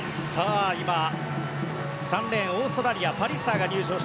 ３レーン、オーストラリアパリスターが入場。